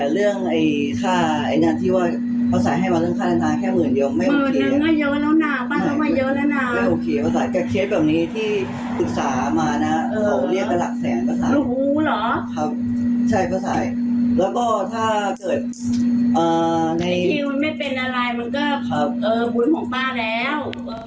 แล้วก็ถ้าเกิดในทิวมันไม่เป็นอะไรมันก็บุญของป้าแล้ว